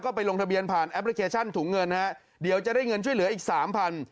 ไปลงทะเบียนผ่านแอปพลิเคชันถุงเงินฮะเดี๋ยวจะได้เงินช่วยเหลืออีกสามพัน